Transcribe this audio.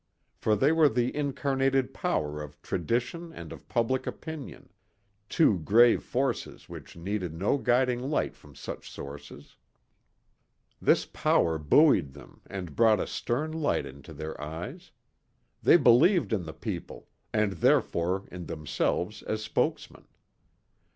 For they were the incarnated power of Tradition and of Public Opinion two grave forces which needed no guilding light from such sources. This power buoyed them and brought a stern light into their eyes. They believed in the People, and therefore in themselves as Spokesmen.